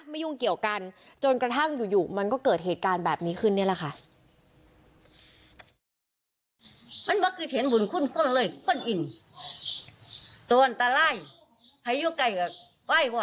ยุ่งเกี่ยวกันจนกระทั่งอยู่มันก็เกิดเหตุการณ์แบบนี้ขึ้นนี่แหละค่ะ